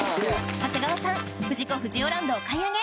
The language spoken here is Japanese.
長谷川さん藤子不二雄ランドお買い上げ！